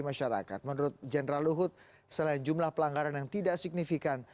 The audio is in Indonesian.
masyarakat menurut jenderal luhut selain jumlah pelanggaran yang tidak signifikan